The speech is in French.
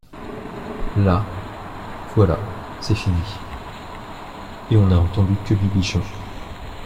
Là, voilà c'est fini ; et on n'a entendu que Bibichon !